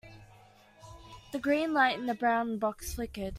The green light in the brown box flickered.